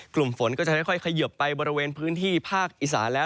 กลุ่มฝนก็จะค่อยเขยิบไปบริเวณพื้นที่ภาคอีสานแล้ว